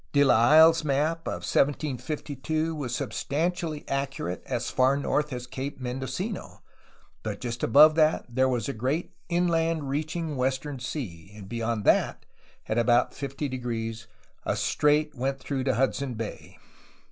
De ITsle's map of 1752 was substantially accurate as far north as Cape Mendocino, but just above that there was a great inland reaching western sea, and beyond that, at about 50°, a strait went through to Hudson Bay.